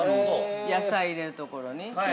◆野菜を入れるところに。